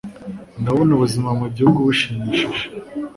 Ndabona ubuzima mu gihugu bushimishije